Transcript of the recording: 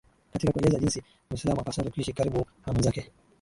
katika kueleza jinsi Mwislamu apasavyo kuishi karibu na mwenzake